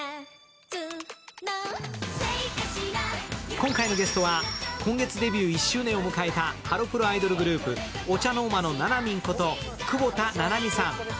今回のゲストは今月デビュー１周年を迎えたハロプロアイドル、ＯＣＨＡＮＯＲＭＡのナナミンこと窪田七海さん。